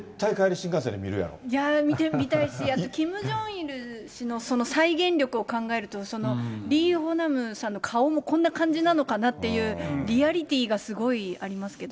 いやー、見たいし、あとキム・ジョンイル氏の再現力を考えると、リ・ホナムさんの顔もこんな感じなのかなっていうリアリティーがすごいありますけど。